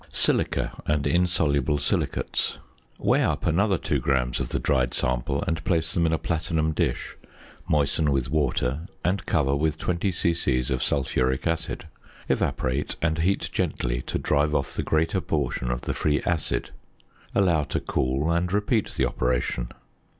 ~Silica and Insoluble Silicates.~ Weigh up another 2 grams of the dried sample, and place them in a platinum dish; moisten with water, and cover with 20 c.c. of sulphuric acid. Evaporate and heat gently to drive off the greater portion of the free acid. Allow to cool; and repeat the operation.